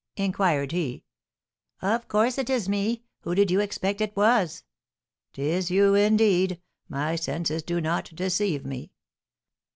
inquired he. "Of course it is me; who did you expect it was?" "'Tis you, indeed! My senses do not deceive me!"